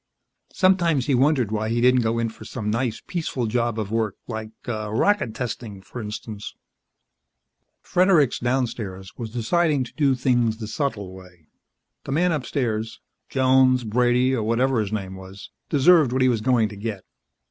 Sometimes he wondered why he didn't go in for some nice, peaceful job of work like rocket testing, for instance. Fredericks, downstairs, was deciding to do things the subtle way. The man upstairs Jones, Brady or whatever his name was deserved what he was going to get.